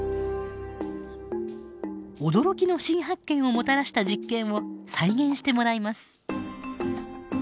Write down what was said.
驚きの新発見をもたらした実験を再現してもらいます。